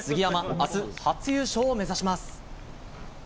明日、初優勝を目指します。